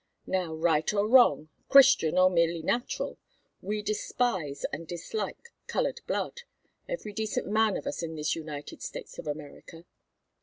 Now, right or wrong, Christian or merely natural, we despise and dislike colored blood, every decent man of us in this United States of America.